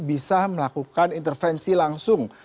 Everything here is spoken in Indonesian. bisa melakukan intervensi langsung